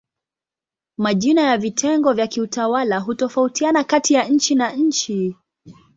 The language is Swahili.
Majina ya vitengo vya kiutawala hutofautiana kati ya nchi na nchi.